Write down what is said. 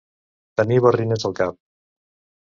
Tenir barrines al cap.